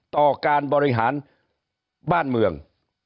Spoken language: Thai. ต่อการบริหารบ้านเมือง